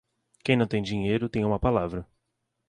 Quem não tem dinheiro, tem uma palavra.